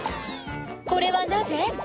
「これはなぜ？」